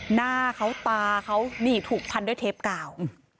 หน้าเขาตาเขานี่ถูกพันด้วยเทปกาว